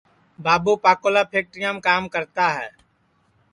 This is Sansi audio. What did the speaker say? بابو پاکولا پھکٹیرام کام کرتا ہے